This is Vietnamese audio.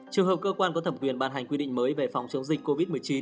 trường hợp cơ quan có thẩm quyền ban hành quy định mới về phòng chống dịch covid một mươi chín